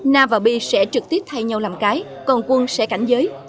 na và bi sẽ trực tiếp thay nhau làm cái còn quân sẽ cảnh giới